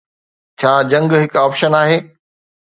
ڇا جنگ هڪ آپشن آهي؟